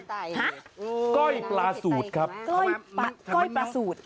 ก้อยปลาสูตรครับก้อยปลาสูตร